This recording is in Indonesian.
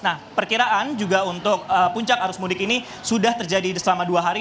nah perkiraan juga untuk puncak arus mudik ini sudah terjadi selama dua hari